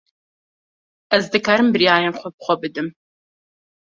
Ez dikarim biryarên xwe bi xwe bidim.